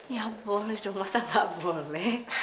ya boleh dong masa gak boleh